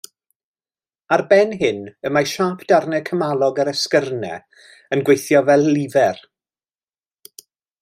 Ar ben hyn y mae siâp darnau cymalog yr esgyrnynnau yn gweithio fel lifer.